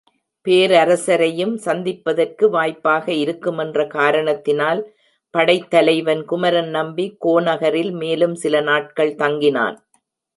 பேரரசரையும் சந்திப்பதற்கு வாய்ப்பாக இருக்குமென்ற காரணத்தினால் படைத் தலைவன் குமரன் நம்பி கோநகரில் மேலும் சில நாட்கள் தங்கினான்.